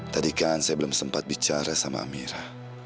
tadi kan saya belum sempat bicara sama amira